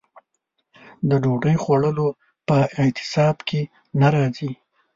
د ډوډۍ خوړلو په اعتصاب کې نه راځي.